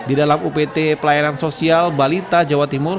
di dalam upt pelayanan sosial balita jawa timur